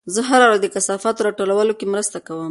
زه هره ورځ د کثافاتو راټولولو کې مرسته کوم.